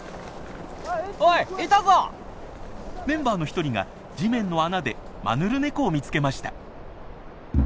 メンバーの１人が地面の穴でマヌルネコを見つけました。